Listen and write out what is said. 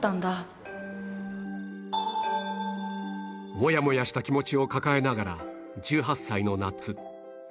モヤモヤした気持ちを抱えながら１８歳の夏